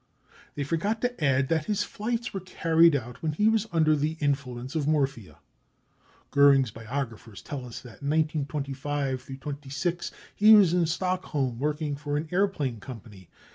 They forget to add that his flights were carried out when he was under the influence of morphia. Goering's biographers tell us that in 1925 26 he was in Stockholm working for an aeroplane company.